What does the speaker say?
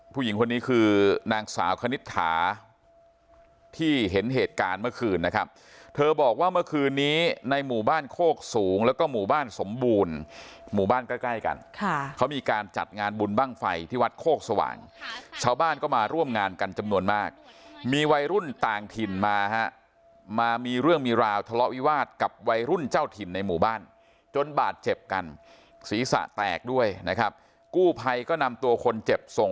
เป็นเหตุการณ์ที่มีกลุ่มวัยรุ่นทะเลาะวิวาสกันที่หน้าห้องฉุกเฉิน